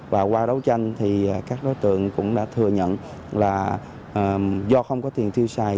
và qua đấu tranh thì các đối tượng cũng đã thừa nhận là do không có tiền tiêu xài